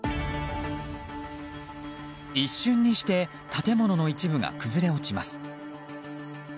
一瞬にして建物の一部が崩れ落ちます。